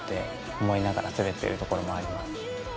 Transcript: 思いながら滑ってるところもあります